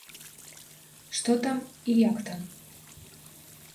Што там і як там?